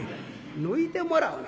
「抜いてもらうな。